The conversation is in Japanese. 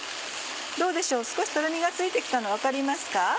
どうでしょう少しとろみがついて来たの分かりますか？